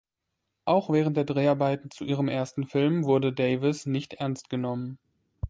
Auch während der Dreharbeiten zu ihrem ersten Film wurde Davis nicht ernst genommen.